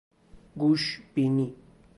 گوش بینی